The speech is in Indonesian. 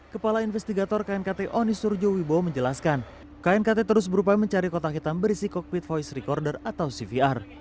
kepala investigator knkt oni surjo wibowo menjelaskan knkt terus berupaya mencari kotak hitam berisi cockpit voice recorder atau cvr